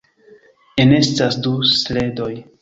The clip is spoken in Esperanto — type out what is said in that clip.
Enestas du sledoj.